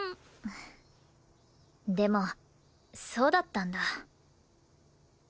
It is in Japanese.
でもそうだったんだ。